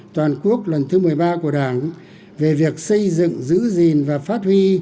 toàn quốc lần thứ một mươi ba của đảng về việc xây dựng giữ gìn và phát huy